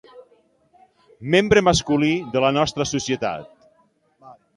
Membre masculí de la nostra societat.